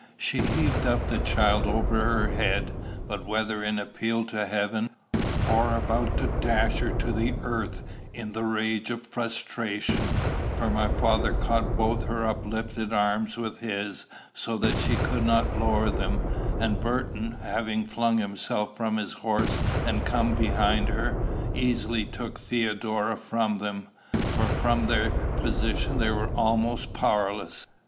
She heaved up the child over her head, but whether in appeal to Heaven, or about to dash her to the earth in the rage of frustration, she was not allowed time to show; for my father caught both her uplifted arms with his, so that she could not lower them, and Burton, having flung himself from his horse and come behind her, easily took Theodora from them, for from their position they were almost powerless.